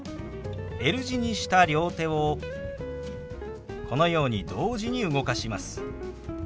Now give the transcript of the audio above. Ｌ字にした両手をこのように同時に動かします。